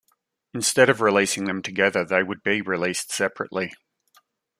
Instead of releasing them together they would be released separately.